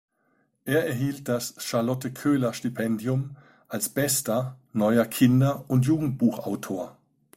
Er erhielt das Charlotte Köhler Stipendium als bester neuer Kinder- und Jugendbuchautor.